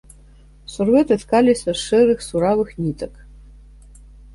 Сурвэты ткаліся з шэрых суравых нітак.